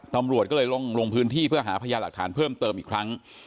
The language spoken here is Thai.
ตำรวจก็เลยลงพื้นที่เพื่อหาพยานหลักฐานเพิ่มเติมอีกครั้ง